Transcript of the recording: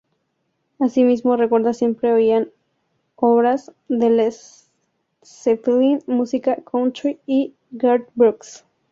Asimismo, recuerda siempre oían obras de Led Zeppelin, música "country" y Garth Brooks.